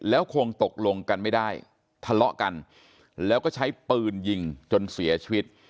แล้วคงตกลงกันไม่ได้ทะเลาะกันแล้วก็ใช้ปืนยิงจนเสียชีวิต